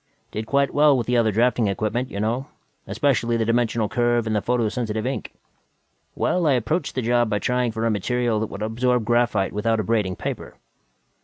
Did quite well with the other drafting equipment, you know, especially the dimensional curve and the photosensitive ink. Well, I approached the job by trying for a material that would absorb graphite without abrading paper."